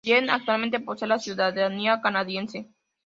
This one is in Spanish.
Yeh actualmente posee la ciudadanía canadiense.